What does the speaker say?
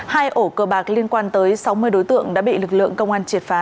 hai ổ cơ bạc liên quan tới sáu mươi đối tượng đã bị lực lượng công an triệt phá